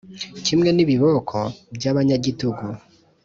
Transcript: kimwe n’ibiboko by’abanyagitugu,